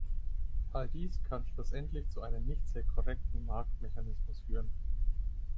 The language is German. All dies kann schlussendlich zu einem nicht sehr korrekten Marktmechanismus führen.